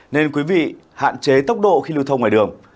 nên quý vị hạn chế tốc độ khi lưu thông ngoài đường